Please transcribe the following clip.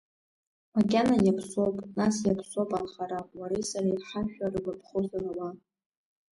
Макьана иаԥсоуп, нас иаԥсоуп анхара, уареи сареи ҳашәа ргәаԥхозар ауаа!